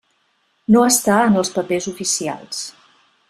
No està en els papers oficials.